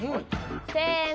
せの！